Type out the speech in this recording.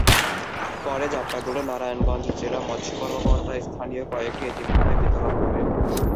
পরে জাটকাগুলো নারায়ণগঞ্জ জেলা মৎস্য কর্মকর্তা স্থানীয় কয়েকটি এতিমখানায় বিতরণ করেন।